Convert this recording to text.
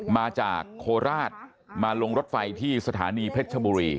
มาจากโคราชมาลงรถไฟที่สถานีเพชรชบุรี